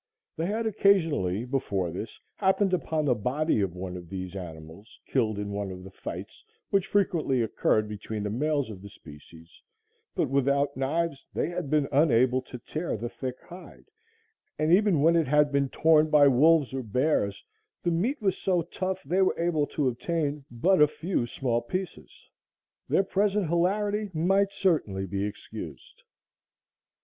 They had occasionally before this happened upon the body of one of these animals, killed in one of the fights which frequently occurred between the males of the species, but, without knives, they had been unable to tear the thick hide, and even when it had been torn by wolves or bears, the meat was so tough they were able to obtain but a few small pieces. Their present hilarity might certainly be excused.